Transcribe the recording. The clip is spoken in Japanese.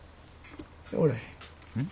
おらへん。